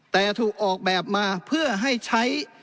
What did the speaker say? แต่ถูกออกแบบมาเพื่อให้ใช้